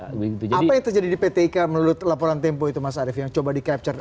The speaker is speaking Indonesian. apa yang terjadi di pt ika menurut laporan tempo itu mas arief yang coba di capture